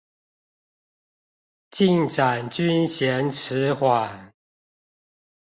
進展均嫌遲緩